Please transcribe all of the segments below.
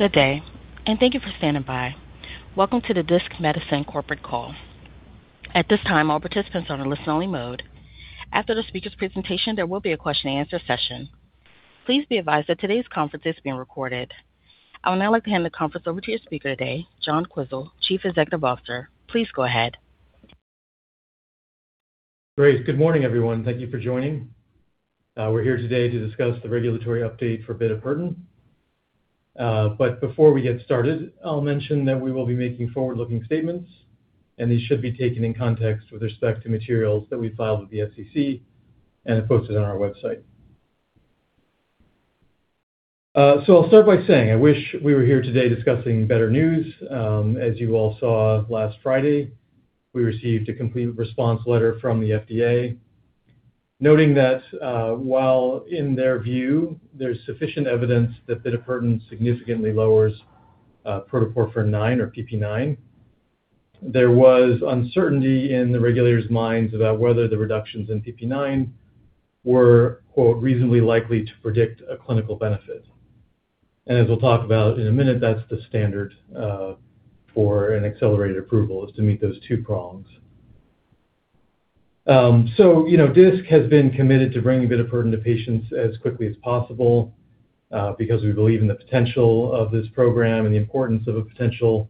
Good day, and thank you for standing by. Welcome to the Disc Medicine Corporate Call. At this time, all participants are on a listen-only mode. After the speaker's presentation, there will be a question and answer session. Please be advised that today's conference is being recorded. I would now like to hand the conference over to your speaker today, John Quisel, Chief Executive Officer. Please go ahead. Great. Good morning, everyone. Thank you for joining. We're here today to discuss the regulatory update for bitopertin. But before we get started, I'll mention that we will be making forward-looking statements, and these should be taken in context with respect to materials that we filed with the SEC and posted on our website. So I'll start by saying I wish we were here today discussing better news. As you all saw last Friday, we received a Complete Response Letter from the FDA, noting that, while in their view, there's sufficient evidence that bitopertin significantly lowers protoporphyrin IX, or PP9, there was uncertainty in the regulators' minds about whether the reductions in PP9 were, quote, reasonably likely to predict a clinical benefit. And as we'll talk about in a minute, that's the standard for an accelerated approval, is to meet those two prongs. So, you know, Disc has been committed to bringing bitopertin to patients as quickly as possible, because we believe in the potential of this program and the importance of a potential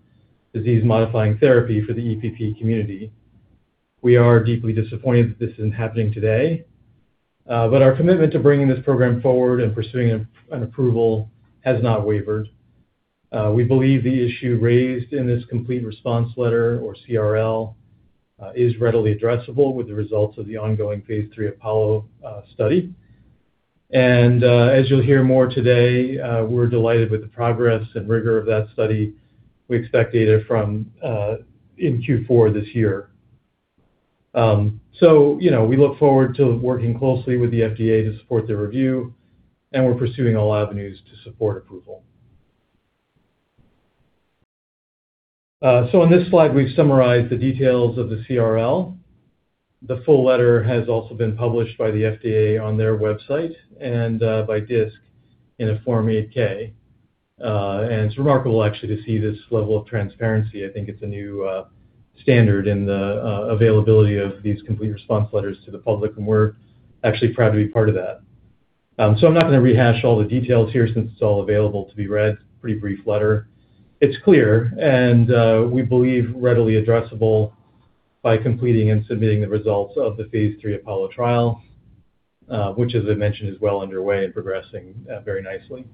disease-modifying therapy for the EPP community. We are deeply disappointed that this isn't happening today, but our commitment to bringing this program forward and pursuing an approval has not wavered. We believe the issue raised in this Complete Response Letter, or CRL, is readily addressable with the results of the ongoing phase II APOLLO study. As you'll hear more today, we're delighted with the progress and rigor of that study. We expect data from in Q4 this year. So, you know, we look forward to working closely with the FDA to support their review, and we're pursuing all avenues to support approval. So on this slide, we've summarized the details of the CRL. The full letter has also been published by the FDA on their website and by Disc in a Form 8-K. And it's remarkable actually to see this level of transparency. I think it's a new standard in the availability of these complete response letters to the public, and we're actually proud to be part of that. So I'm not going to rehash all the details here since it's all available to be read. Pretty brief letter. It's clear, and we believe readily addressable by completing and submitting the results of the phase III APOLLO trial, which, as I mentioned, is well underway and progressing very nicely.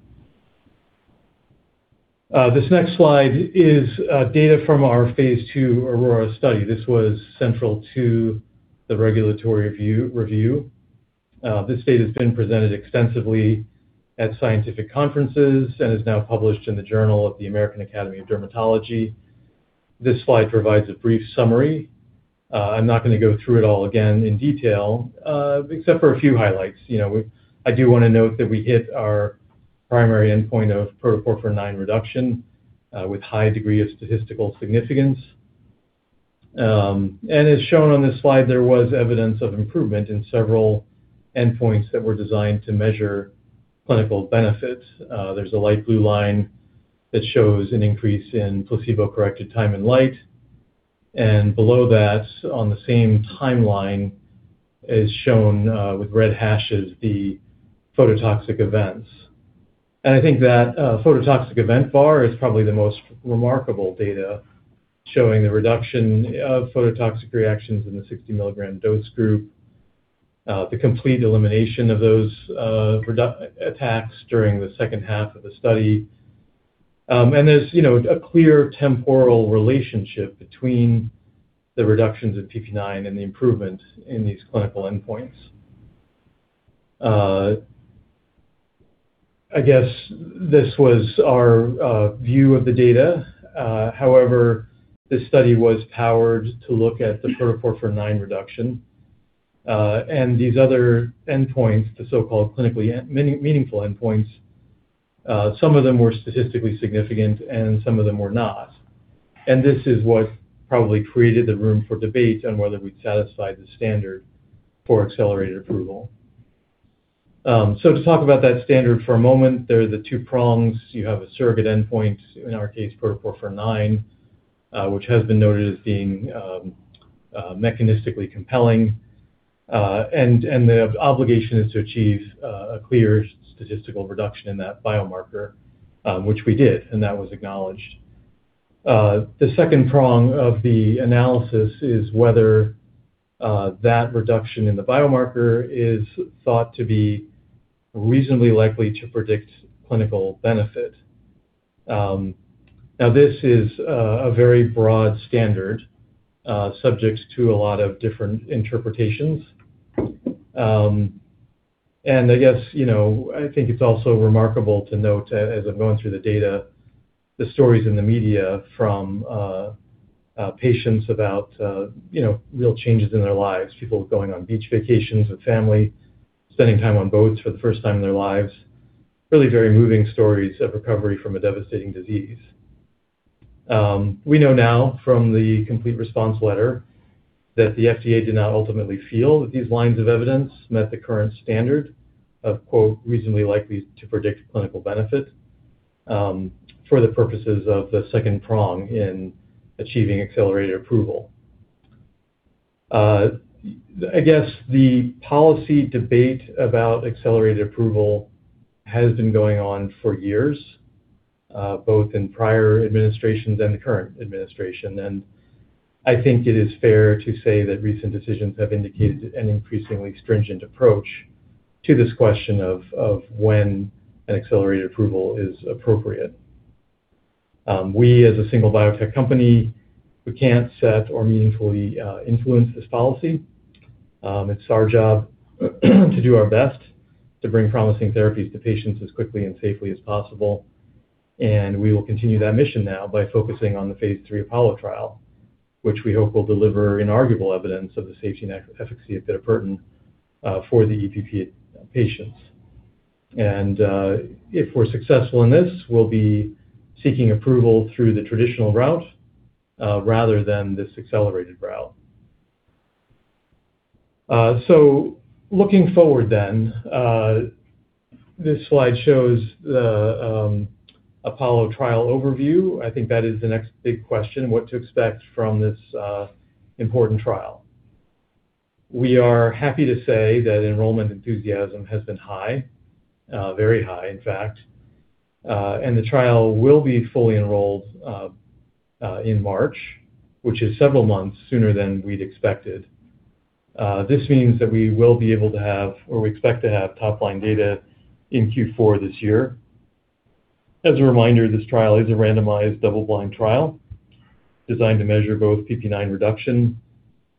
This next slide is data from ourphase II AURORA study. This was central to the regulatory review. This data has been presented extensively at scientific conferences and is now published in the Journal of the American Academy of Dermatology. This slide provides a brief summary. I'm not going to go through it all again in detail, except for a few highlights. You know, I do want to note that we hit our primary endpoint of protoporphyrin IX reduction with high degree of statistical significance. And as shown on this slide, there was evidence of improvement in several endpoints that were designed to measure clinical benefits. There's a light blue line that shows an increase in placebo-corrected time in light, and below that, on the same timeline, is shown with red hashes, the phototoxic events. I think that phototoxic event bar is probably the most remarkable data showing the reduction of phototoxic reactions in the 60 milligram dose group, the complete elimination of those attacks during the second half of the study. And there's, you know, a clear temporal relationship between the reductions in PP9 and the improvement in these clinical endpoints. I guess this was our view of the data. However, this study was powered to look at the protoporphyrin IX reduction, and these other endpoints, the so-called clinically meaningful endpoints, some of them were statistically significant, and some of them were not. And this is what probably created the room for debate on whether we'd satisfied the standard for accelerated approval. So to talk about that standard for a moment, there are the two prongs. You have a surrogate endpoint, in our case, protoporphyrin IX, which has been noted as being mechanistically compelling. And the obligation is to achieve a clear statistical reduction in that biomarker, which we did, and that was acknowledged. The second prong of the analysis is whether that reduction in the biomarker is thought to be reasonably likely to predict clinical benefit. Now, this is a very broad standard, subject to a lot of different interpretations. And I guess, you know, I think it's also remarkable to note, as I'm going through the data, the stories in the media from patients about, you know, real changes in their lives, people going on beach vacations with family, spending time on boats for the first time in their lives. Really very moving stories of recovery from a devastating disease. We know now from the Complete Response Letter that the FDA did not ultimately feel that these lines of evidence met the current standard of, quote, "reasonably likely to predict clinical benefit", for the purposes of the second prong in achieving Accelerated Approval. I guess the policy debate about Accelerated Approval has been going on for years, both in prior administrations and the current administration. I think it is fair to say that recent decisions have indicated an increasingly stringent approach to this question of when an Accelerated Approval is appropriate. We, as a single biotech company, we can't set or meaningfully influence this policy. It's our job to do our best to bring promising therapies to patients as quickly and safely as possible. We will continue that mission now by focusing on the phase III APOLLO trial, which we hope will deliver inarguable evidence of the safety and efficacy of bitopertin for the EPP patients. If we're successful in this, we'll be seeking approval through the traditional route rather than this accelerated route. So looking forward then, this slide shows the APOLLO trial overview. I think that is the next big question, what to expect from this important trial. We are happy to say that enrollment enthusiasm has been high, very high, in fact. And the trial will be fully enrolled in March, which is several months sooner than we'd expected. This means that we will be able to have, or we expect to have, top-line data in Q4 this year. As a reminder, this trial is a randomized, double-blind trial designed to measure both PP9 reduction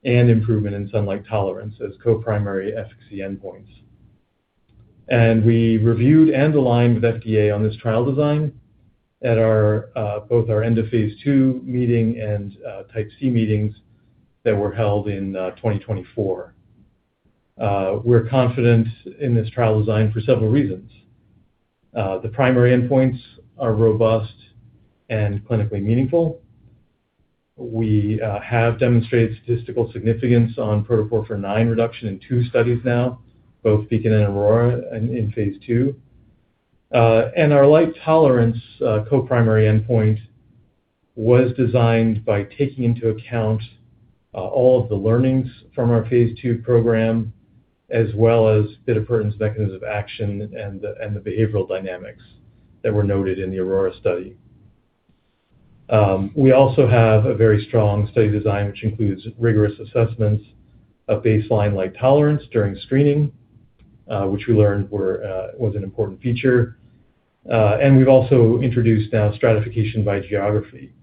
and improvement in sunlight tolerance as co-primary efficacy endpoints. We reviewed and aligned with FDA on this trial design at both our end-of-phase II meeting and Type C meetings that were held in 2024. We're confident in this trial design for several reasons. The primary endpoints are robust and clinically meaningful. We have demonstrated statistical significance on protoporphyrin IX reduction in two studies now, both BEACON and AURORA in phase II. And our light tolerance co-primary endpoint was designed by taking into account all of the learnings from our phase II program, as well as bitopertin's mechanism of action and the behavioral dynamics that were noted in the AURORA study. We also have a very strong study design, which includes rigorous assessments of baseline light tolerance during screening, which we learned was an important feature. And we've also introduced now stratification by geography,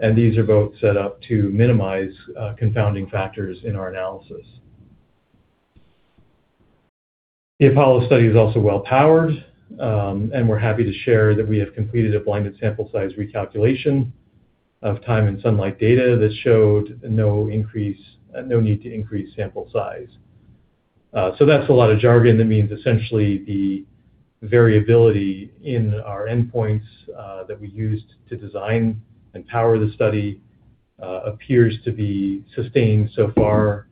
and these are both set up to minimize confounding factors in our analysis. The APOLLO study is also well-powered, and we're happy to share that we have completed a blinded sample size recalculation of time and sunlight data that showed no increase... no need to increase sample size. So that's a lot of jargon. That means essentially the variability in our endpoints that we used to design and power the study appears to be sustained so far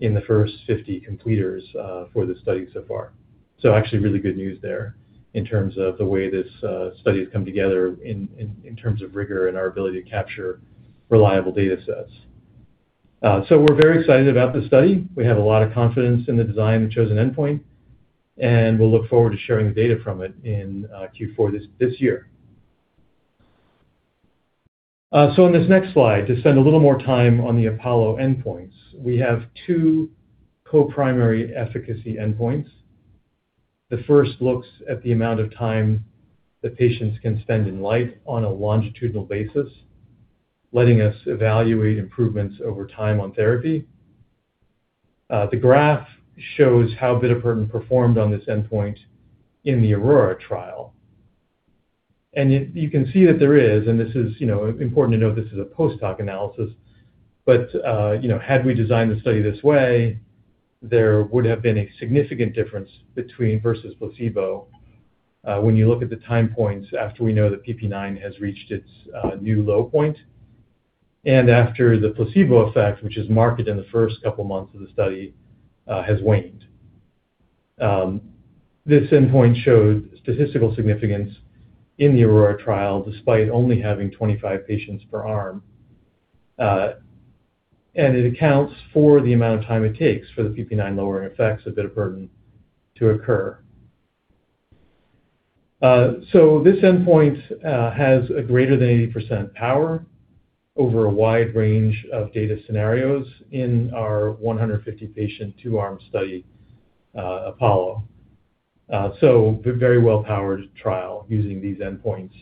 in the first 50 completers for the study so far. So actually, really good news there in terms of the way this study has come together in terms of rigor and our ability to capture reliable data sets. So we're very excited about this study. We have a lot of confidence in the design and chosen endpoint, and we'll look forward to sharing the data from it in Q4 this year. So in this next slide, to spend a little more time on the APOLLO endpoints, we have two co-primary efficacy endpoints. The first looks at the amount of time that patients can spend in light on a longitudinal basis, letting us evaluate improvements over time on therapy. The graph shows how bitopertin performed on this endpoint in the AURORA trial, and you can see that there is, and this is, you know, important to note, this is a post-hoc analysis. But, you know, had we designed the study this way, there would have been a significant difference between versus placebo. When you look at the time points after we know that PP9 has reached its new low point and after the placebo effect, which is marked in the first couple of months of the study, has waned. This endpoint showed statistical significance in the AURORA trial, despite only having 25 patients per arm, and it accounts for the amount of time it takes for the PP9 lowering effects of bitopertin to occur. So this endpoint has a greater than 80% power over a wide range of data scenarios in our 150 patient, two-arm study, APOLLO. So very well-powered trial using these endpoints.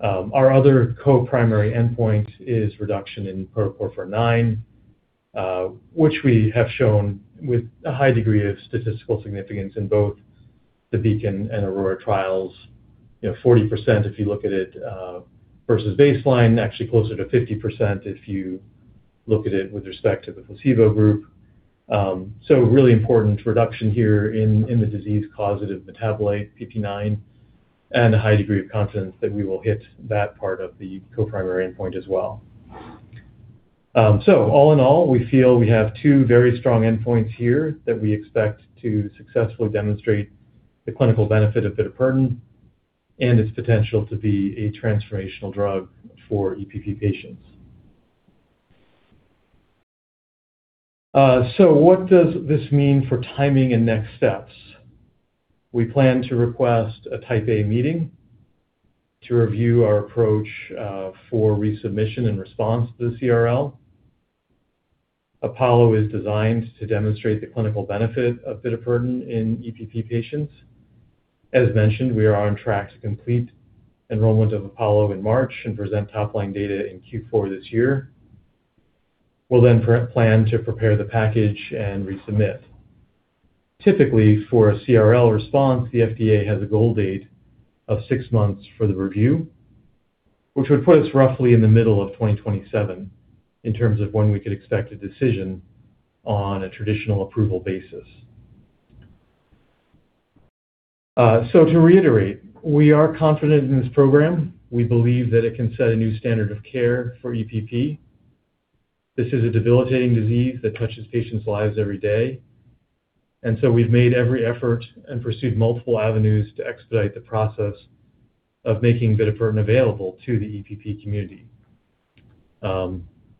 Our other co-primary endpoint is reduction in protoporphyrin IX, which we have shown with a high degree of statistical significance in both the BEACON and AURORA trials. You know, 40%, if you look at it, versus baseline, actually closer to 50% if you look at it with respect to the placebo group... So really important reduction here in the disease causative metabolite, PP9, and a high degree of confidence that we will hit that part of the co-primary endpoint as well. So all in all, we feel we have two very strong endpoints here that we expect to successfully demonstrate the clinical benefit of bitopertin and its potential to be a transformational drug for EPP patients. So what does this mean for timing and next steps? We plan to request a Type A meeting to review our approach for resubmission and response to the CRL. APOLLO is designed to demonstrate the clinical benefit of bitopertin in EPP patients. As mentioned, we are on track to complete enrollment of APOLLO in March and present top-line data in Q4 this year. We'll then plan to prepare the package and resubmit. Typically, for a CRL response, the FDA has a goal date of six months for the review, which would put us roughly in the middle of 2027 in terms of when we could expect a decision on a traditional approval basis. So to reiterate, we are confident in this program. We believe that it can set a new standard of care for EPP. This is a debilitating disease that touches patients' lives every day, and so we've made every effort and pursued multiple avenues to expedite the process of making bitopertin available to the EPP community.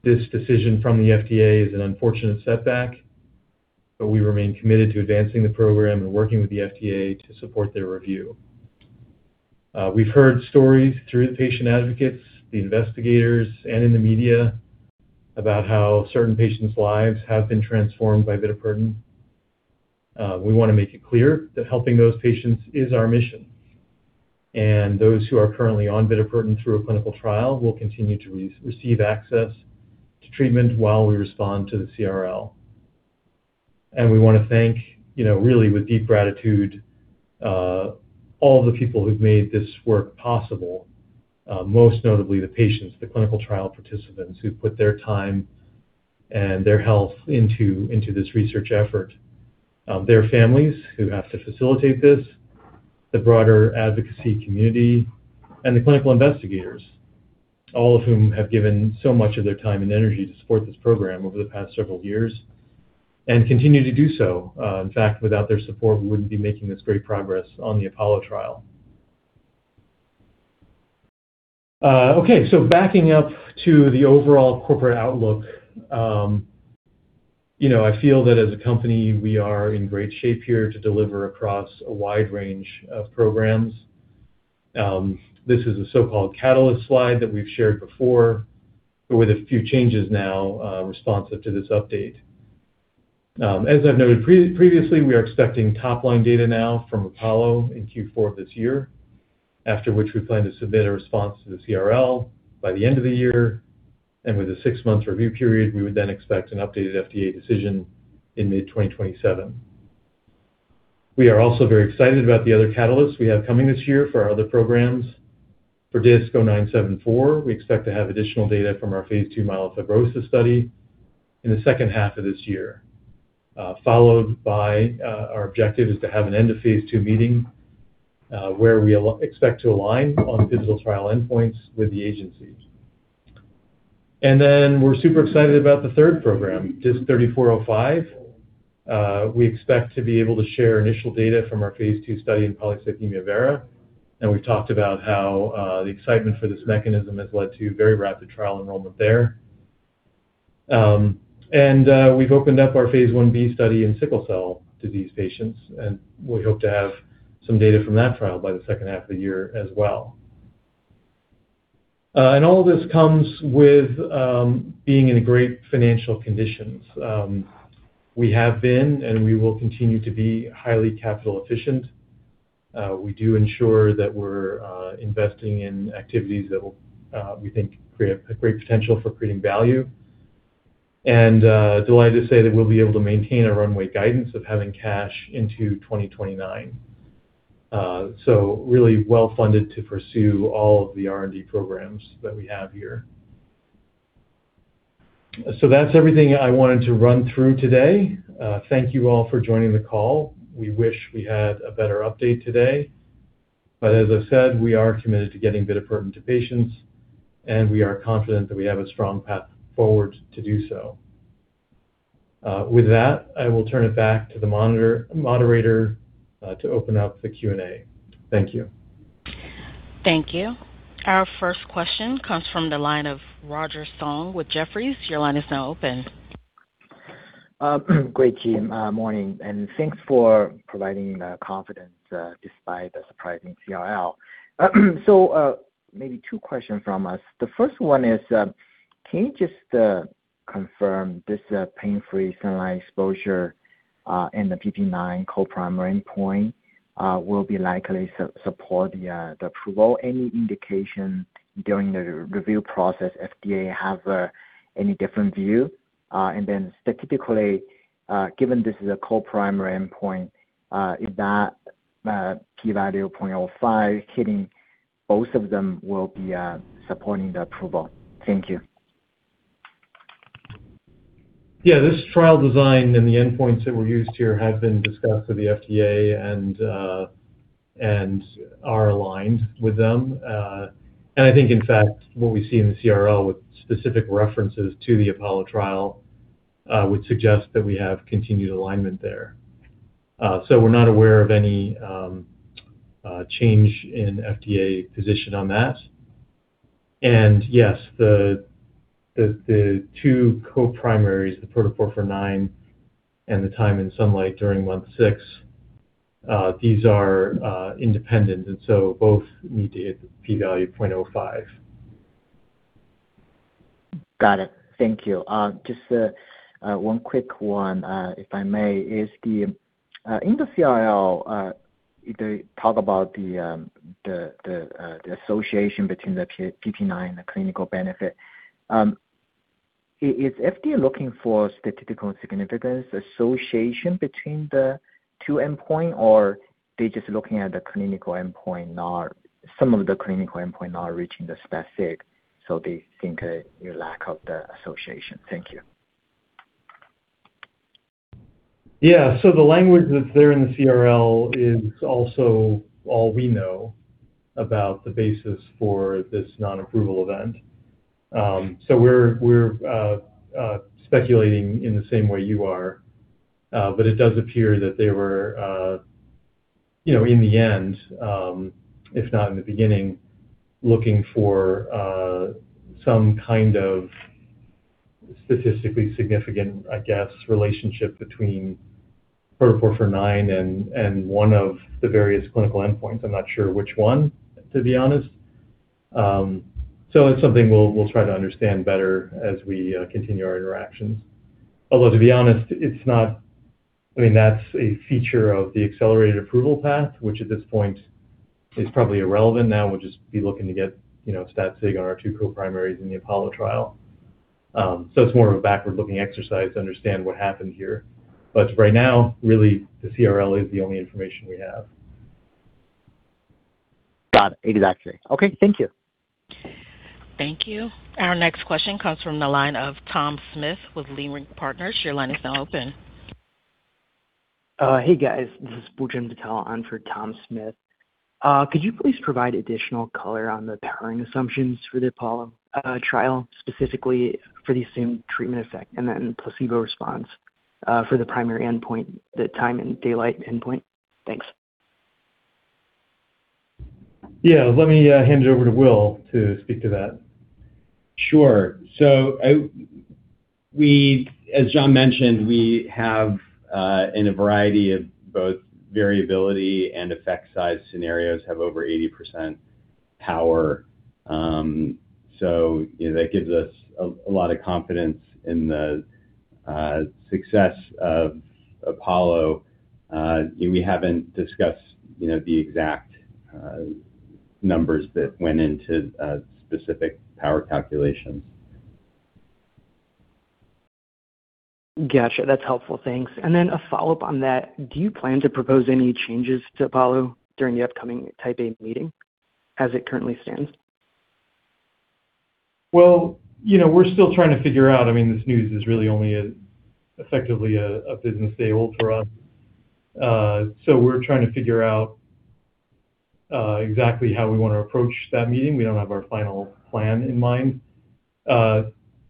This decision from the FDA is an unfortunate setback, but we remain committed to advancing the program and working with the FDA to support their review. We've heard stories through the patient advocates, the investigators, and in the media about how certain patients' lives have been transformed by bitopertin. We want to make it clear that helping those patients is our mission, and those who are currently on bitopertin through a clinical trial will continue to receive access to treatment while we respond to the CRL. And we want to thank, you know, really, with deep gratitude, all the people who've made this work possible, most notably the patients, the clinical trial participants, who put their time and their health into, into this research effort. Their families, who have to facilitate this, the broader advocacy community, and the clinical investigators, all of whom have given so much of their time and energy to support this program over the past several years and continue to do so. In fact, without their support, we wouldn't be making this great progress on the APOLLO trial. Okay, so backing up to the overall corporate outlook. You know, I feel that as a company, we are in great shape here to deliver across a wide range of programs. This is a so-called catalyst slide that we've shared before, but with a few changes now, responsive to this update. As I've noted previously, we are expecting top-line data now from APOLLO in Q4 of this year, after which we plan to submit a response to the CRL by the end of the year. With a six-month review period, we would then expect an updated FDA decision in mid-2027. We are also very excited about the other catalysts we have coming this year for our other programs. For DISC-0974, we expect to have additional data from our phase II myelofibrosis study in the second half of this year, followed by... Our objective is to have an end-of-phase II meeting, where we expect to align on the digital trial endpoints with the agencies. And then we're super excited about the third program, DISC-3405. We expect to be able to share initial data from our phase II study in Polycythemia Vera, and we've talked about how the excitement for this mechanism has led to very rapid trial enrollment there. And we've opened up our phase I-B study in Sickle Cell Disease patients, and we hope to have some data from that trial by the second half of the year as well. And all this comes with being in a great financial conditions. We have been, and we will continue to be, highly capital efficient. We do ensure that we're investing in activities that will, we think create a great potential for creating value. And delighted to say that we'll be able to maintain a runway guidance of having cash into 2029. So really well funded to pursue all of the R&D programs that we have here. So that's everything I wanted to run through today. Thank you all for joining the call. We wish we had a better update today, but as I've said, we are committed to getting bitopertin to patients, and we are confident that we have a strong path forward to do so. With that, I will turn it back to the monitor-moderator to open up the Q&A. Thank you. Thank you. Our first question comes from the line of Roger Song with Jefferies. Your line is now open. Great, team. Morning, and thanks for providing confidence despite the surprising CRL. So, maybe two questions from us. The first one is, can you just confirm this pain-free sunlight exposure and the PP9 co-primary endpoint will be likely support the approval? Any indication during the review process, FDA have any different view? And then statistically, given this is a co-primary endpoint, is that p-value of 0.05 hitting both of them will be supporting the approval. Thank you. Yeah, this trial design and the endpoints that were used here have been discussed with the FDA and are aligned with them. And I think, in fact, what we see in the CRL with specific references to the APOLLO trial would suggest that we have continued alignment there. So we're not aware of any change in FDA position on that. And yes, the two co-primaries, the protoporphyrin IX and the time in sunlight during month six, these are independent, and so both need to hit the p-value 0.05. Got it. Thank you. Just one quick one, if I may. In the CRL, they talk about the association between the PP9 and the clinical benefit. Is FDA looking for statistical significance association between the two endpoint, or they just looking at the clinical endpoint, not some of the clinical endpoint, not reaching the specific, so they think you lack of the association? Thank you. Yeah. So the language that's there in the CRL is also all we know about the basis for this non-approval event. So we're speculating in the same way you are, but it does appear that they were, you know, in the end, if not in the beginning, looking for some kind of statistically significant, I guess, relationship between protoporphyrin IX and one of the various clinical endpoints. I'm not sure which one, to be honest. So it's something we'll try to understand better as we continue our interactions. Although, to be honest, it's not... I mean, that's a feature of the accelerated approval path, which at this point is probably irrelevant. Now we'll just be looking to get, you know, stat sig on our two co-primaries in the APOLLO trial. So it's more of a backward-looking exercise to understand what happened here. But right now, really, the CRL is the only information we have. Got it. Exactly. Okay, thank you. Thank you. Our next question comes from the line of Tom Smith with Leerink Partners. Your line is now open. Hey, guys. This is Bulchum Patel. I'm for Tom Smith. Could you please provide additional color on the powering assumptions for the APOLLO trial, specifically for the assumed treatment effect and then placebo response for the primary endpoint, the time and daylight endpoint? Thanks. Yeah. Let me hand you over to Will to speak to that. Sure. So we, as John mentioned, have, in a variety of both variability and effect size scenarios, over 80% power. So, you know, that gives us a lot of confidence in the success of APOLLO. We haven't discussed, you know, the exact numbers that went into specific power calculations. Gotcha. That's helpful. Thanks. And then a follow-up on that, do you plan to propose any changes to APOLLO during the upcoming Type A meeting, as it currently stands? Well, you know, we're still trying to figure out. I mean, this news is really only effectively a business day old for us. So we're trying to figure out exactly how we wanna approach that meeting. We don't have our final plan in mind.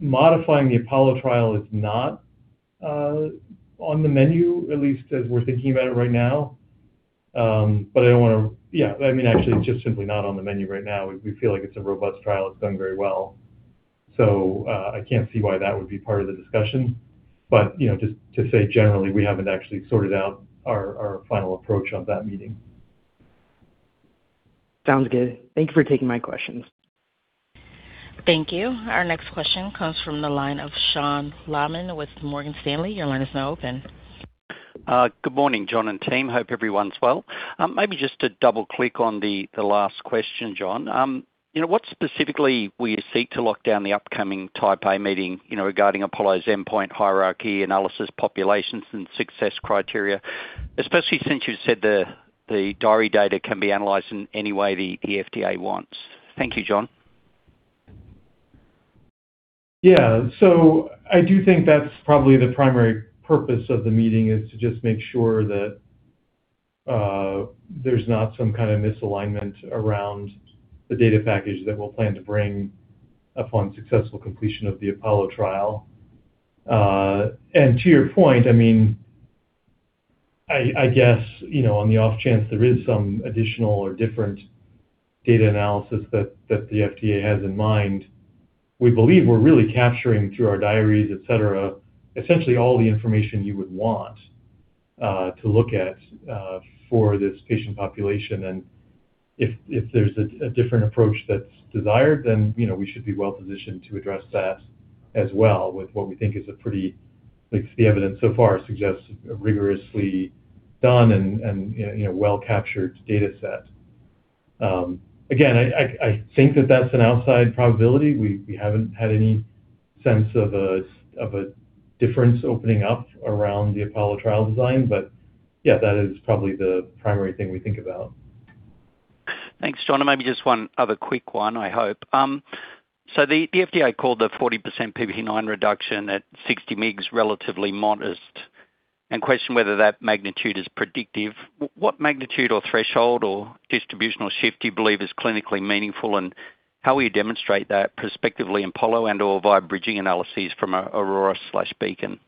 Modifying the APOLLO trial is not on the menu, at least as we're thinking about it right now. But I don't wanna. Yeah, I mean, actually, it's just simply not on the menu right now. We feel like it's a robust trial. It's done very well. So I can't see why that would be part of the discussion. But, you know, just to say, generally, we haven't actually sorted out our final approach on that meeting. Sounds good. Thank you for taking my questions. Thank you. Our next question comes from the line of Sean Laaman with Morgan Stanley. Your line is now open. Good morning, John and team. Hope everyone's well. Maybe just to double-click on the last question, John. You know, what specifically will you seek to lock down the upcoming Type A Meeting, you know, regarding APOLLO's endpoint, hierarchy, analysis, populations, and success criteria, especially since you said the diary data can be analyzed in any way the FDA wants? Thank you, John. Yeah. So I do think that's probably the primary purpose of the meeting, is to just make sure that there's not some kind of misalignment around the data package that we'll plan to bring upon successful completion of the APOLLO trial. And to your point, I mean, I guess, you know, on the off chance there is some additional or different data analysis that the FDA has in mind, we believe we're really capturing through our diaries, et cetera, essentially all the information you would want to look at for this patient population. And if there's a different approach that's desired, then, you know, we should be well-positioned to address that as well, with what we think is a pretty... Like, the evidence so far suggests rigorously done and, you know, well-captured data set. Again, I think that's an outside probability. We haven't had any sense of a difference opening up around the APOLLO trial design, but.... Yeah, that is probably the primary thing we think about. Thanks, John. And maybe just one other quick one, I hope. So the FDA called the 40% PP9 reduction at 60 mg relatively modest and questioned whether that magnitude is predictive. What magnitude or threshold or distributional shift do you believe is clinically meaningful, and how will you demonstrate that prospectively in APOLLO and/or via bridging analyses from AURORA/BEACON?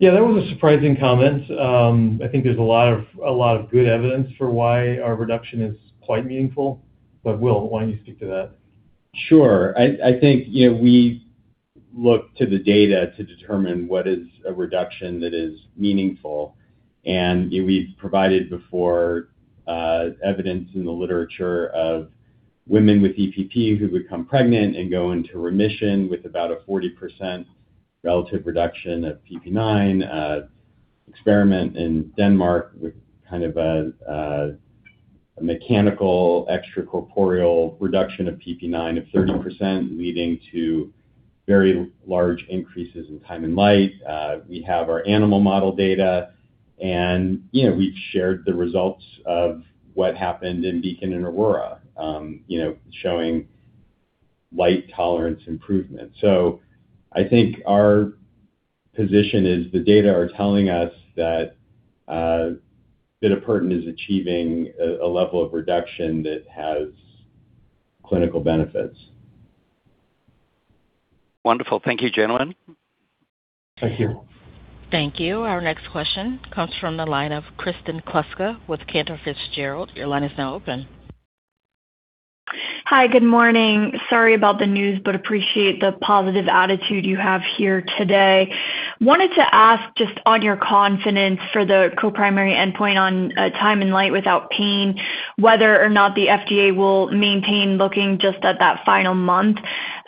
Yeah, that was a surprising comment. I think there's a lot of, a lot of good evidence for why our reduction is quite meaningful. But Will, why don't you speak to that? Sure. I think, you know, we look to the data to determine what is a reduction that is meaningful. We've provided before, evidence in the literature of women with EPP who become pregnant and go into remission with about a 40% relative reduction of PP9, experiment in Denmark with kind of a mechanical extracorporeal reduction of PP9 of 30%, leading to very large increases in time and light. We have our animal model data, and, you know, we've shared the results of what happened in BEACON and AURORA, you know, showing light tolerance improvement. So I think our position is the data are telling us that, bitopertin is achieving a level of reduction that has clinical benefits. Wonderful. Thank you, gentlemen. Thank you. Thank you. Our next question comes from the line of Kristen Kluska with Cantor Fitzgerald. Your line is now open. Hi, good morning. Sorry about the news, but appreciate the positive attitude you have here today. Wanted to ask just on your confidence for the co-primary endpoint on time and light without pain, whether or not the FDA will maintain looking just at that final month.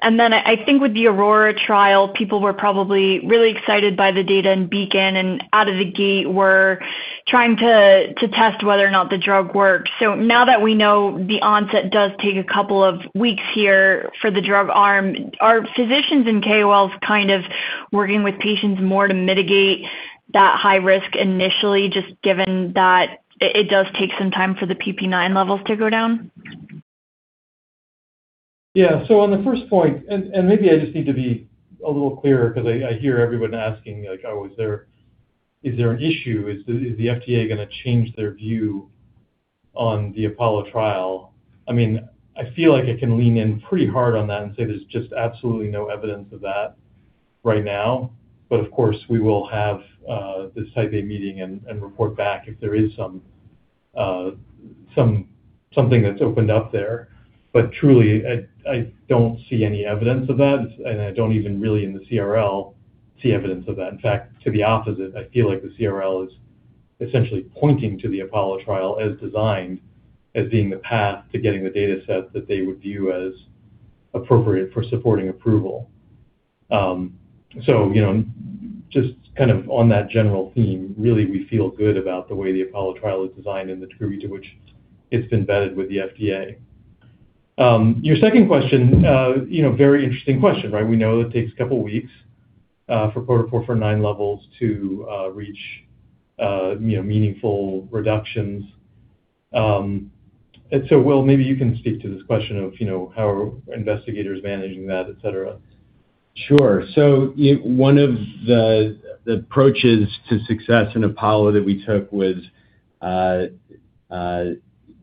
And then I think with the AURORA trial, people were probably really excited by the data in BEACON and out of the gate were trying to test whether or not the drug works. So now that we know the onset does take a couple of weeks here for the drug arm, are physicians and KOLs kind of working with patients more to mitigate that high risk initially, just given that it does take some time for the PP9 levels to go down? Yeah. So on the first point, and maybe I just need to be a little clearer because I hear everyone asking, like, oh, is there- is there an issue? Is the FDA gonna change their view on the Apollo trial? I mean, I feel like I can lean in pretty hard on that and say there's just absolutely no evidence of that right now. But of course, we will have this Type A Meeting and report back if there is some something that's opened up there. But truly, I don't see any evidence of that, and I don't even really in the CRL see evidence of that. In fact, to the opposite, I feel like the CRL is essentially pointing to the APOLLO trial as designed, as being the path to getting the dataset that they would view as appropriate for supporting approval. So, you know, just kind of on that general theme, really, we feel good about the way the APOLLO trial is designed and the degree to which it's been vetted with the FDA. Your second question, you know, very interesting question, right? We know it takes a couple of weeks for protoporphyrin IX levels to reach you know, meaningful reductions. And so, Will, maybe you can speak to this question of, you know, how are investigators managing that, et cetera. Sure. So one of the approaches to success in APOLLO that we took was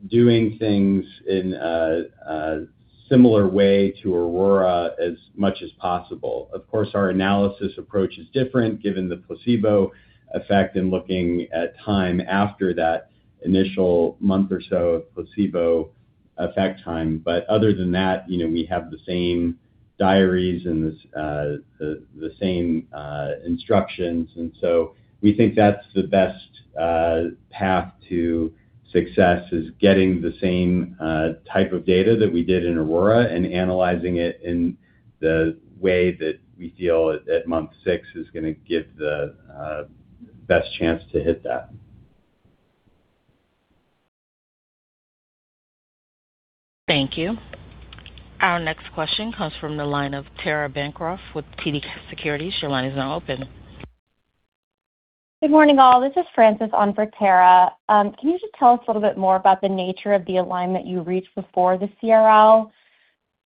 doing things in a similar way to AURORA as much as possible. Of course, our analysis approach is different, given the placebo effect in looking at time after that initial month or so of placebo effect time. But other than that, you know, we have the same diaries and the same instructions. And so we think that's the best path to success, is getting the same type of data that we did in AURORA and analyzing it in the way that we feel at month six is gonna give the best chance to hit that. Thank you. Our next question comes from the line of Tara Bancroft with TD Securities. Your line is now open. Good morning, all. This is Francis on for Tara. Can you just tell us a little bit more about the nature of the alignment you reached before the CRL?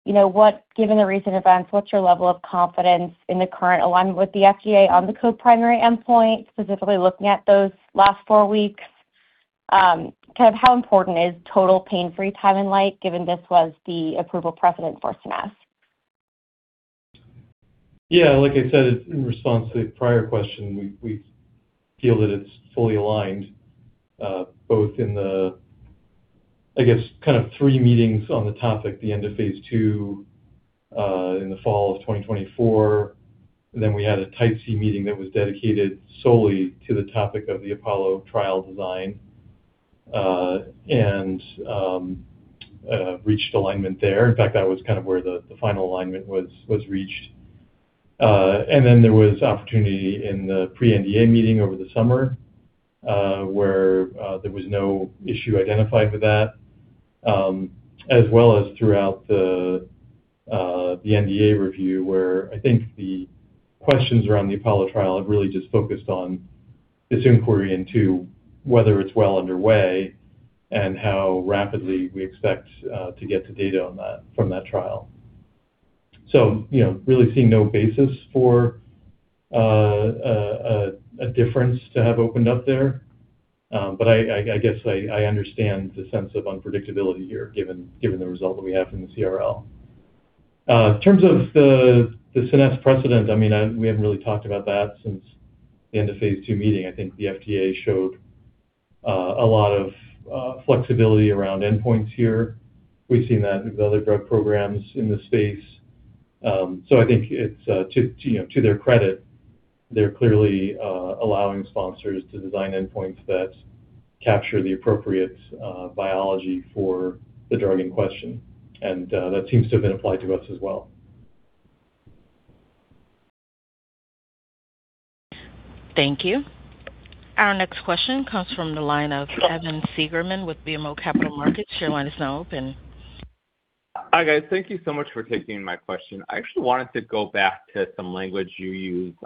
You know, what-- Given the recent events, what's your level of confidence in the current alignment with the FDA on the co-primary endpoint, specifically looking at those last four weeks? Kind of how important is total pain-free time and light, given this was the approval precedent for SNAS? Yeah, like I said, in response to the prior question, we feel that it's fully aligned, both in the, I guess, kind of three meetings on the topic, the end-of-phase II in the fall of 2024. Then we had a Type C meeting that was dedicated solely to the topic of the APOLLO trial design, and reached alignment there. In fact, that was kind of where the final alignment was reached. And then there was opportunity in the pre-NDA meeting over the summer.... where there was no issue identified with that, as well as throughout the NDA review, where I think the questions around the APOLLO trial have really just focused on this inquiry into whether it's well underway and how rapidly we expect to get to data on that from that trial. So, you know, really seeing no basis for a difference to have opened up there. But I guess I understand the sense of unpredictability here, given the result that we have from the CRL. In terms of the Scenesse precedent, I mean, we haven't really talked about that since the end-of-phase II meeting. I think the FDA showed a lot of flexibility around endpoints here. We've seen that with other drug programs in this space. So I think it's to their credit, you know, they're clearly allowing sponsors to design endpoints that capture the appropriate biology for the drug in question, and that seems to have been applied to us as well. Thank you. Our next question comes from the line of Evan Seigerman with BMO Capital Markets. Your line is now open. Hi, guys. Thank you so much for taking my question. I actually wanted to go back to some language you used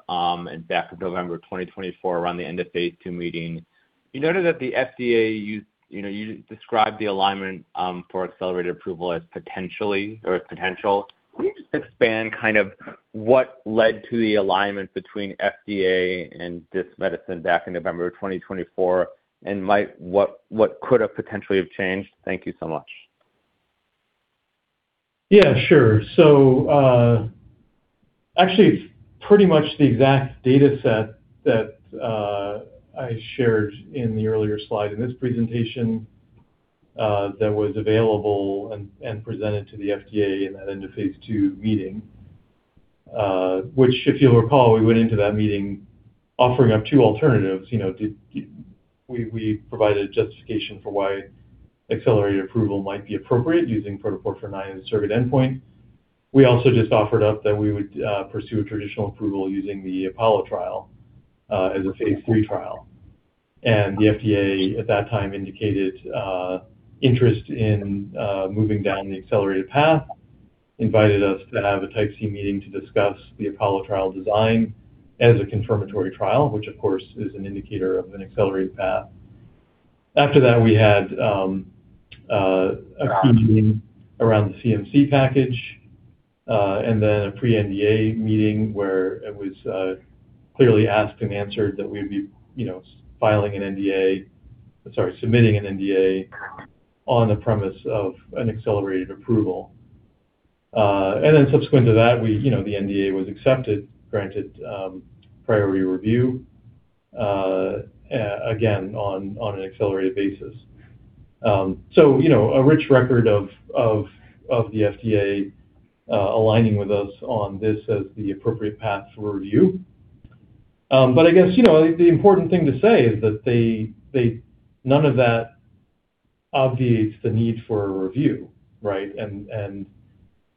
back in November 2024, around the end of phase II meeting. You noted that the FDA used... You know, you described the alignment for accelerated approval as potentially or as potential. Can you just expand kind of what led to the alignment between FDA and this medicine back in November of 2024, and might what could have potentially changed? Thank you so much. Yeah, sure. So, actually, it's pretty much the exact dataset that I shared in the earlier slide in this presentation that was available and presented to the FDA in that end-of-phase II meeting. Which, if you'll recall, we went into that meeting offering up two alternatives. You know, we provided a justification for why accelerated approval might be appropriate using protocol 49 and surrogate endpoint. We also just offered up that we would pursue a traditional approval using the APOLLO trial as a phase III trial. And the FDA, at that time, indicated interest in moving down the accelerated path, invited us to have a Type C meeting to discuss the APOLLO trial design as a confirmatory trial, which of course, is an indicator of an accelerated path. After that, we had a key meeting around the CMC package, and then a pre-NDA meeting where it was clearly asked and answered that we'd be, you know, filing an NDA, sorry, submitting an NDA on the premise of an accelerated approval. And then subsequent to that, we, you know, the NDA was accepted, granted priority review, again, on an accelerated basis. So, you know, a rich record of the FDA aligning with us on this as the appropriate path for review. But I guess, you know, the important thing to say is that they... none of that obviates the need for a review, right? And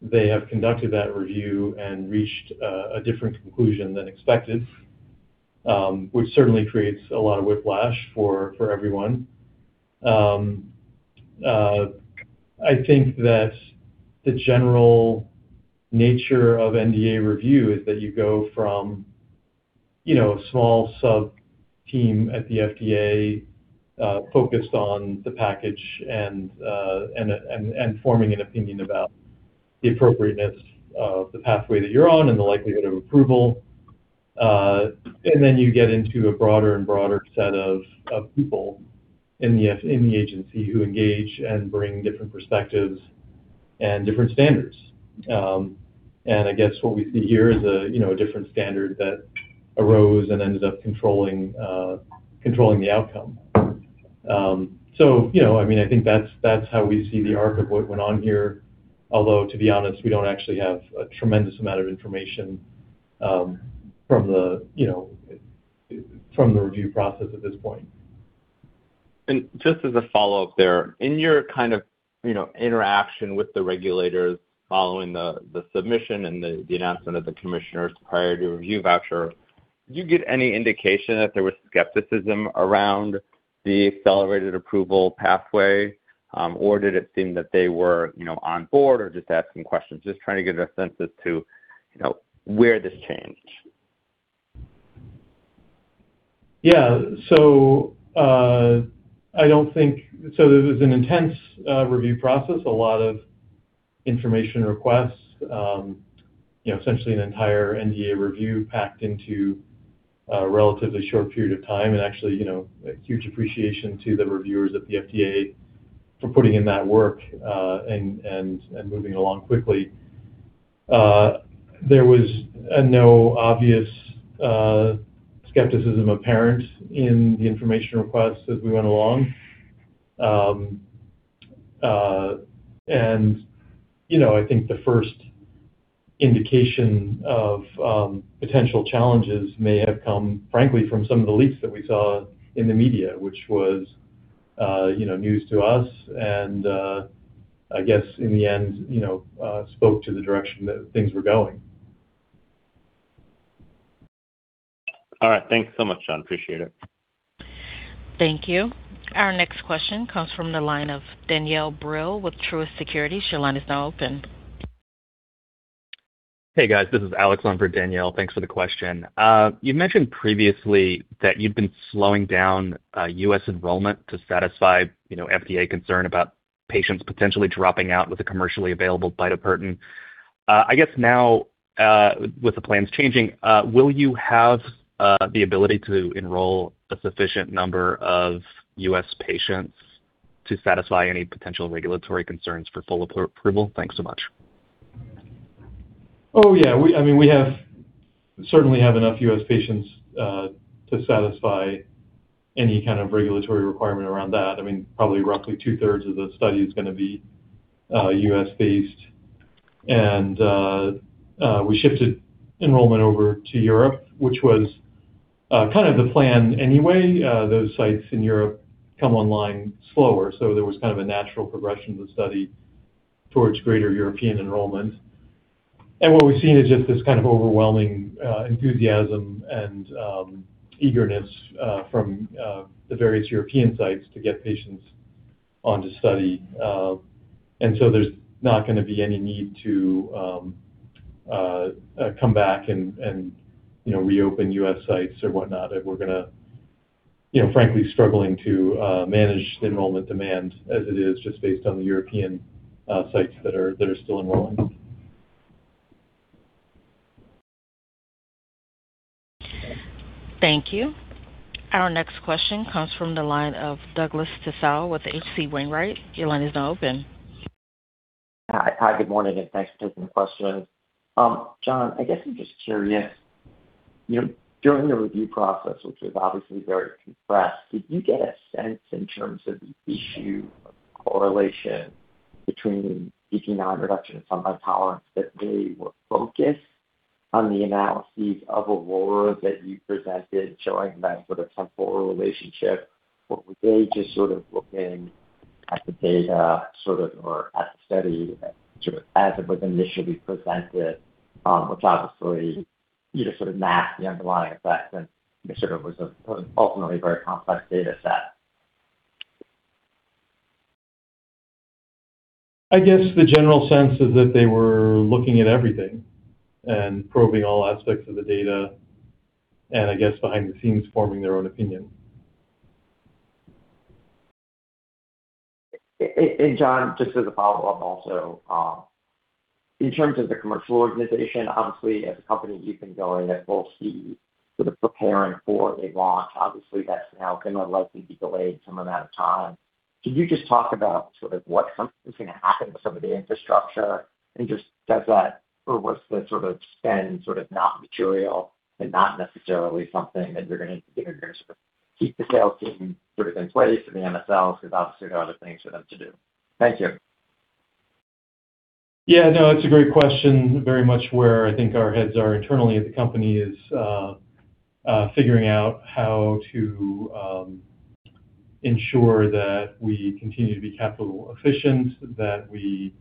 they have conducted that review and reached a different conclusion than expected, which certainly creates a lot of whiplash for everyone. I think that the general nature of NDA review is that you go from, you know, a small sub team at the FDA, focused on the package and forming an opinion about the appropriateness of the pathway that you're on and the likelihood of approval. And then you get into a broader and broader set of people in the FDA in the agency who engage and bring different perspectives and different standards. And I guess what we see here is, you know, a different standard that arose and ended up controlling the outcome. So, you know, I mean, I think that's how we see the arc of what went on here. Although, to be honest, we don't actually have a tremendous amount of information, you know, from the review process at this point. Just as a follow-up there, in your kind of, you know, interaction with the regulators following the submission and the announcement of the commissioner's priority review voucher, do you get any indication that there was skepticism around the accelerated approval pathway? Or did it seem that they were, you know, on board or just asking questions? Just trying to get a sense as to, you know, where this changed. Yeah. So this is an intense review process, a lot of information requests, you know, essentially an entire NDA review packed into a relatively short period of time, and actually, you know, a huge appreciation to the reviewers at the FDA for putting in that work, and moving along quickly. There was no obvious skepticism apparent in the information requests as we went along. And you know, I think the first indication of potential challenges may have come, frankly, from some of the leaks that we saw in the media, which was, you know, news to us, and I guess in the end, you know, spoke to the direction that things were going. All right, thanks so much, John. Appreciate it. Thank you. Our next question comes from the line of Danielle Brill with Truist Securities. Your line is now open. Hey, guys. This is Alex, on for Danielle. Thanks for the question. You mentioned previously that you've been slowing down U.S. enrollment to satisfy, you know, FDA concern about patients potentially dropping out with a commercially available fidaparin. I guess now, with the plans changing, will you have the ability to enroll a sufficient number of U.S. patients to satisfy any potential regulatory concerns for full approval? Thanks so much. Oh, yeah. I mean, we have certainly have enough U.S. patients to satisfy any kind of regulatory requirement around that. I mean, probably roughly 2/3 of the study is going to be U.S.-based. And we shifted enrollment over to Europe, which was kind of the plan anyway. Those sites in Europe come online slower, so there was kind of a natural progression of the study towards greater European enrollment. And what we've seen is just this kind of overwhelming enthusiasm and eagerness from the various European sites to get patients on to study. And so there's not going to be any need to come back and you know, reopen U.S. sites or whatnot, that we're gonna... You know, frankly, struggling to manage the enrollment demand as it is just based on the European sites that are still enrolling. Thank you. Our next question comes from the line of Douglas Tsao with HC Wainwright. Your line is now open. Hi. Good morning, and thanks for taking the question. John, I guess I'm just curious, you know, during the review process, which is obviously very compressed, did you get a sense in terms of the issue of correlation between PPIX reduction and sunlight tolerance, that they were focused on the analyses of AURORA that you presented showing that sort of temporal relationship? Or were they just sort of looking at the data, sort of, or at the study, sort of as it was initially presented, which obviously either sort of masked the underlying effect and it sort of was ultimately a very complex data set? I guess the general sense is that they were looking at everything and probing all aspects of the data, and I guess behind the scenes, forming their own opinion. John, just as a follow-up also, in terms of the commercial organization, obviously, as a company, you've been going at full speed, sort of preparing for a launch. Obviously, that's now going to likely be delayed some amount of time. Can you just talk about sort of what is going to happen with some of the infrastructure and just does that, or was the sort of spend sort of not material and not necessarily something that you're going to need to sort of keep the sales team sort of in place for the MSLs, because obviously there are other things for them to do? Thank you. Yeah, no, it's a great question. Very much where I think our heads are internally at the company is figuring out how to ensure that we continue to be capital efficient, that we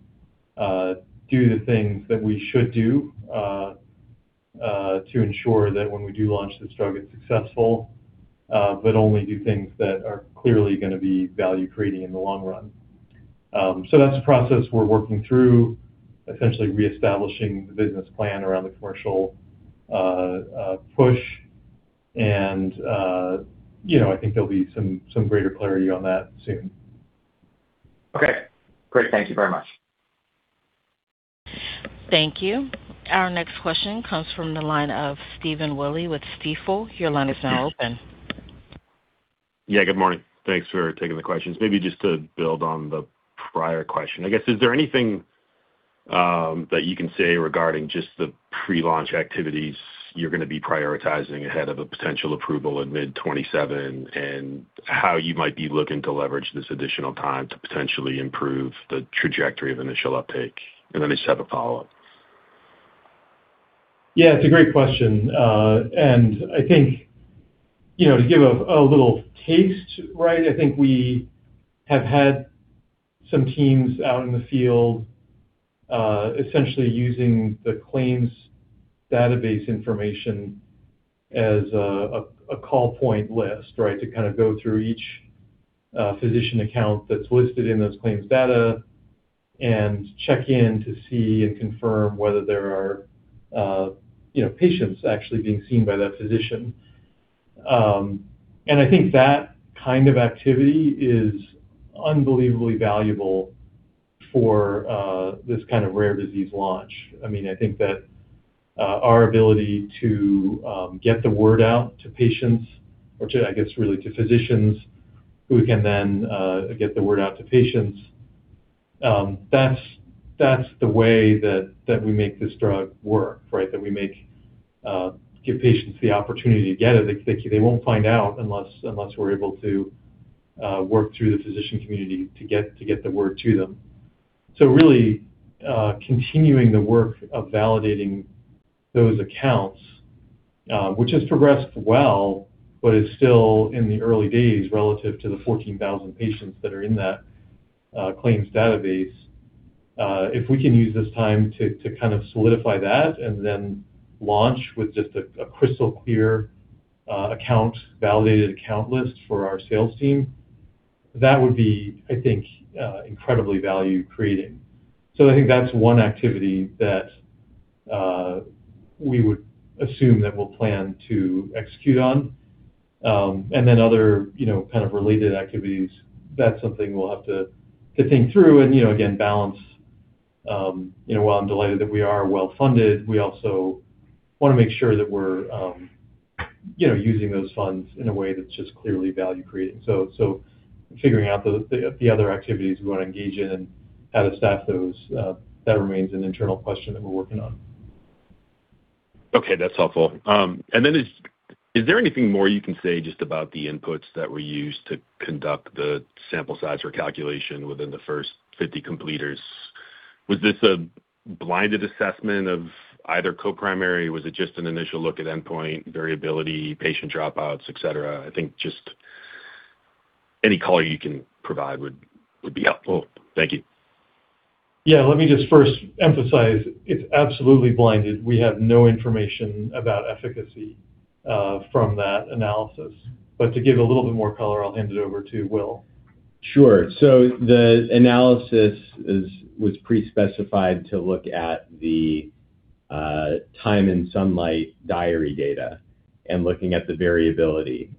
do the things that we should do to ensure that when we do launch this drug, it's successful, but only do things that are clearly going to be value-creating in the long run. So that's a process we're working through, essentially reestablishing the business plan around the commercial push. And, you know, I think there'll be some greater clarity on that soon. Okay, great. Thank you very much. Thank you. Our next question comes from the line of Stephen Willey with Stifel. Your line is now open. Yeah, good morning. Thanks for taking the questions. Maybe just to build on the prior question, I guess, is there anything that you can say regarding just the pre-launch activities you're going to be prioritizing ahead of a potential approval in mid-2027, and how you might be looking to leverage this additional time to potentially improve the trajectory of initial uptake? And then I just have a follow-up. Yeah, it's a great question. And I think, you know, to give a little taste, right, I think we have had some teams out in the field, essentially using the claims database information as a call point list, right? To kind of go through each physician account that's listed in those claims data and check in to see and confirm whether there are, you know, patients actually being seen by that physician. And I think that kind of activity is unbelievably valuable for this kind of rare disease launch. I mean, I think that our ability to get the word out to patients, or to, I guess, really to physicians, who can then get the word out to patients, that's the way that we make this drug work, right? That we make... Give patients the opportunity to get it. They won't find out unless we're able to work through the physician community to get the word to them. So really, continuing the work of validating those accounts, which has progressed well, but is still in the early days relative to the 14,000 patients that are in that claims database. If we can use this time to kind of solidify that and then launch with just a crystal clear, account-validated account list for our sales team, that would be, I think, incredibly value-creating. So I think that's one activity that we would assume that we'll plan to execute on. And then other, you know, kind of related activities, that's something we'll have to think through and, you know, again, balance. You know, while I'm delighted that we are well-funded, we also wanna make sure that we're, you know, using those funds in a way that's just clearly value-creating. So figuring out the other activities we wanna engage in and how to staff those, that remains an internal question that we're working on. Okay, that's helpful. And then is there anything more you can say just about the inputs that were used to conduct the sample size or calculation within the first 50 completers? Was this a blinded assessment of either co-primary? Was it just an initial look at endpoint variability, patient dropouts, et cetera? I think just any color you can provide would be helpful. Thank you. Yeah, let me just first emphasize, it's absolutely blinded. We have no information about efficacy from that analysis. But to give a little bit more color, I'll hand it over to Will. Sure. So the analysis is, was pre-specified to look at the time in sunlight diary data and looking at the variability.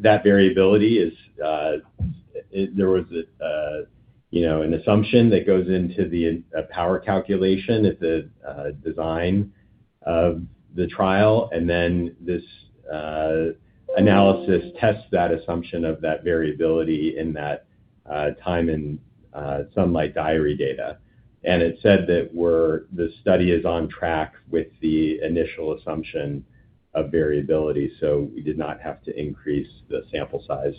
That variability is, there was a, you know, an assumption that goes into a power calculation at the design of the trial, and then this analysis tests that assumption of that variability in that time in sunlight diary data. And it said that we're... the study is on track with the initial assumption of variability, so we did not have to increase the sample size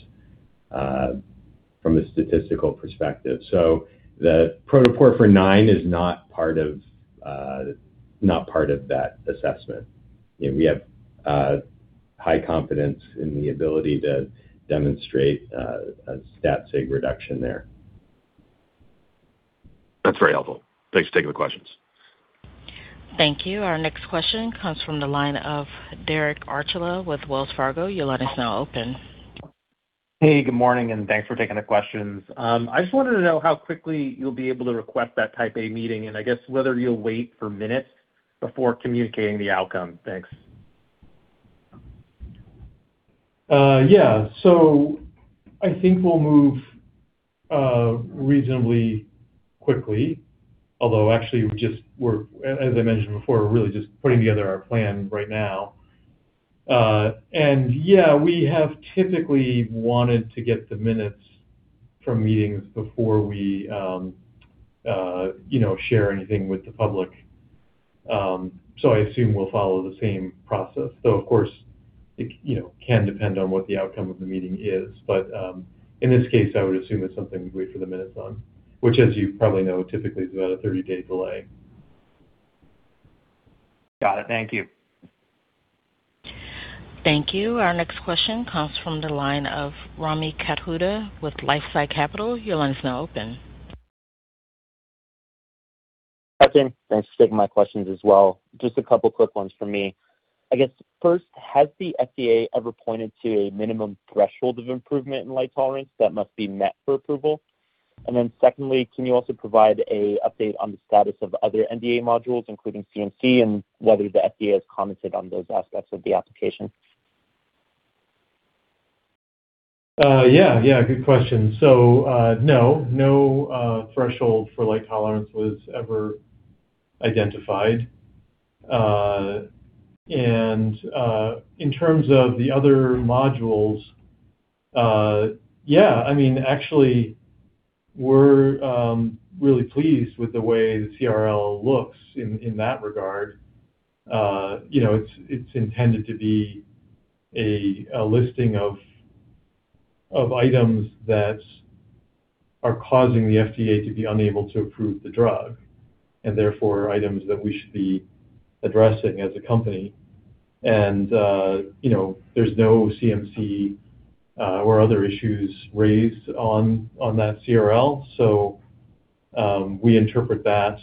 from a statistical perspective. So the protocol for nine is not part of that assessment. We have high confidence in the ability to demonstrate a stat sig reduction there. That's very helpful. Thanks for taking the questions. Thank you. Our next question comes from the line of Derek Archila with Wells Fargo. Your line is now open. Hey, good morning, and thanks for taking the questions. I just wanted to know how quickly you'll be able to request that Type A Meeting, and I guess whether you'll wait for minutes before communicating the outcome. Thanks. Yeah. So I think we'll move reasonably quickly, although actually, as I mentioned before, we're really just putting together our plan right now. And yeah, we have typically wanted to get the minutes from meetings before we, you know, share anything with the public. So I assume we'll follow the same process, though, of course, it, you know, can depend on what the outcome of the meeting is. But in this case, I would assume it's something we'd wait for the minutes on, which, as you probably know, typically is about a 30-day delay. Got it. Thank you. Thank you. Our next question comes from the line of Rami Rami Katkhuda with Life Sci Capital. Your line is now open. Hi, team. Thanks for taking my questions as well. Just a couple quick ones for me. I guess first, has the FDA ever pointed to a minimum threshold of improvement in light tolerance that must be met for approval? And then secondly, can you also provide an update on the status of other NDA modules, including CMC, and whether the FDA has commented on those aspects of the application? Yeah, yeah, good question. So, no, no, threshold for light tolerance was ever identified. And, in terms of the other modules, yeah, I mean, actually we're really pleased with the way the CRL looks in that regard. You know, it's intended to be a listing of items that are causing the FDA to be unable to approve the drug, and therefore, items that we should be addressing as a company. And, you know, there's no CMC or other issues raised on that CRL. So, we interpret that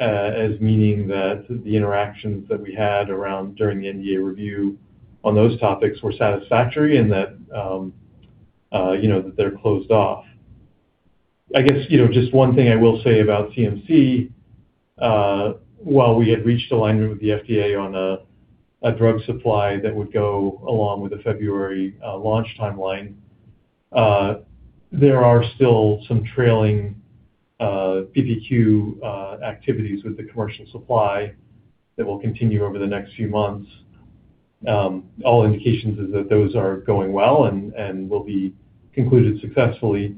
as meaning that the interactions that we had around during the NDA review on those topics were satisfactory and that, you know, that they're closed off. I guess, you know, just one thing I will say about CMC, while we had reached alignment with the FDA on a drug supply that would go along with the February launch timeline, there are still some trailing PBQ activities with the commercial supply that will continue over the next few months. All indications is that those are going well and will be concluded successfully.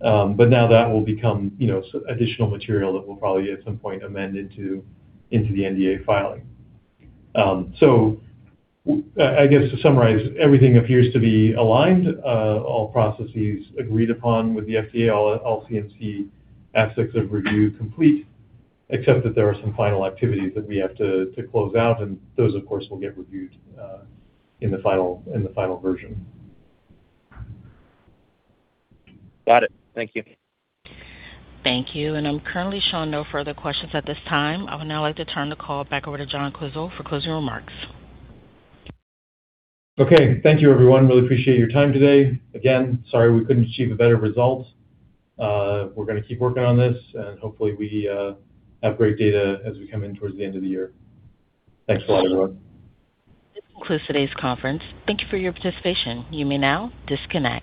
But now that will become, you know, additional material that we'll probably at some point amend into the NDA filing. So, I guess to summarize, everything appears to be aligned, all processes agreed upon with the FDA, all CMC aspects of review complete, except that there are some final activities that we have to close out, and those, of course, will get reviewed in the final version. Got it. Thank you. Thank you. I'm currently showing no further questions at this time. I would now like to turn the call back over to John Quisel for closing remarks. Okay. Thank you, everyone. Really appreciate your time today. Again, sorry we couldn't achieve a better result. We're gonna keep working on this, and hopefully, we have great data as we come in towards the end of the year. Thanks a lot, everyone. This concludes today's conference. Thank you for your participation. You may now disconnect.